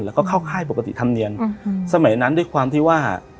แล้วก็เข้าค่ายปกติธรรมเนียมสมัยนั้นด้วยความที่ว่า